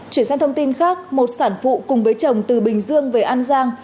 chuyển sang thông tin khác một sản phụ cùng với chồng từ bình dương về an giang